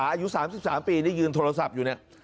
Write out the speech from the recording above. อายุสามสิบสามปีนี่ยืนโทรศัพท์อยู่เนี่ย